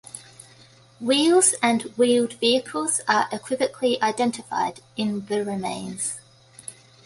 Wheels and wheeled vehicles are equivocally identified in the remains.